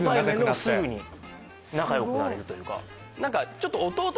すぐ仲良くなれるというか。